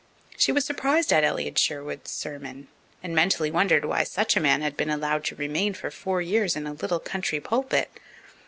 She was surprised at Elliott Sherwood's sermon, and mentally wondered why such a man had been allowed to remain for four years in a little country pulpit.